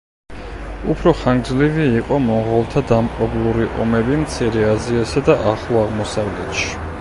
უფრო ხანგრძლივი იყო მონღოლთა დამპყრობლური ომები მცირე აზიასა და ახლო აღმოსავლეთში.